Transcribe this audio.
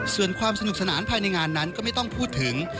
ส่วนความสนุกสนานภายในงานนั้นก็ไม่ต้องพูดถึง